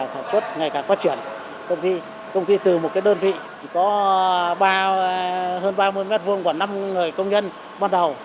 sản xuất ngày càng phát triển công ty từ một cái đơn vị có hơn ba mươi m hai của năm người công nhân ban đầu